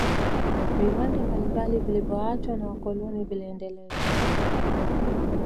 viwanda mbalimbali vilivyoachwa na wakoloni vilendelezwa